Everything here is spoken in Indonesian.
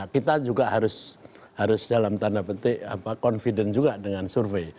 kita juga harus dalam tanda petik confident juga dengan survei